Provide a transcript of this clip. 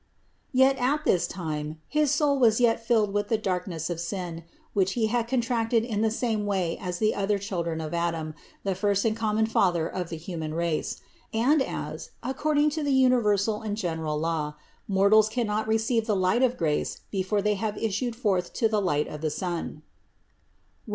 Yet at that time his soul was yet filled with the darkness of sin, which he had contracted in the same way as the other children of Adam, the first and common father of the human race; and as, accord ing to the universal and general law, mortals cannot receive the light of grace before they have issued forth to the light of the sun (Rom.